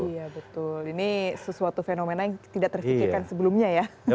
iya betul ini sesuatu fenomena yang tidak terfikirkan sebelumnya ya